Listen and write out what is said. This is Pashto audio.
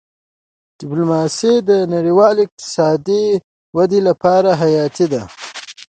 ډيپلوماسي د نړیوال اقتصاد د ودې لپاره حیاتي ده.